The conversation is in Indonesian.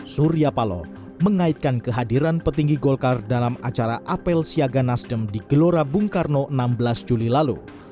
surya paloh mengaitkan kehadiran petinggi golkar dalam acara apel siaga nasdem di gelora bung karno enam belas juli lalu